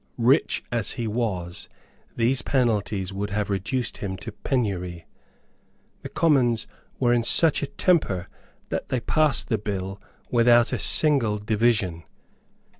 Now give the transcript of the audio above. Rich as he was, these penalties would have reduced him to penury. The Commons were in such a temper that they passed the bill without a single division.